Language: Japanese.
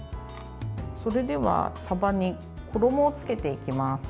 それではさばに衣をつけていきます。